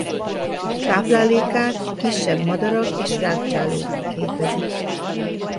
Táplálékát kisebb madarak és rágcsálók képezik.